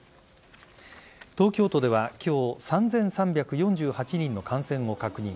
東京都では今日、３３４８人の感染を確認。